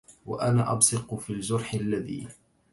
وأنا أبصق في الجرح الذي